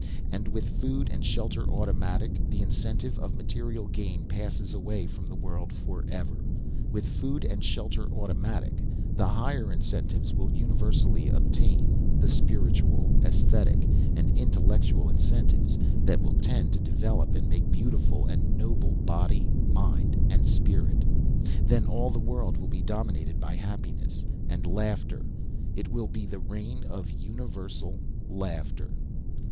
And with food and shelter automatic, the incentive of material gain passes away from the world for ever. With food and shelter automatic, the higher incentives will universally obtain the spiritual, aesthetic, and intellectual incentives that will tend to develop and make beautiful and noble body, mind, and spirit. Then all the world will be dominated by happiness and laughter. It will be the reign of universal laughter.